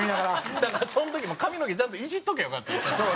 だからその時も髪の毛ちゃんといじっときゃよかったんや。